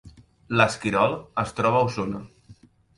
L’Esquirol es troba a Osona